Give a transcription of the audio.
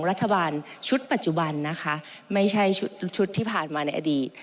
รัฐบาลชุดปัจจุบันนะคะไม่ใช่ชุดชุดที่ผ่านมาในอดีต